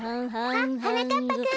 あっはなかっぱくん。